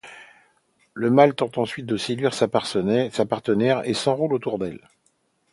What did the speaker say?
Le mâle tente ensuite de séduire sa partenaire et s'enroule autour d'elle.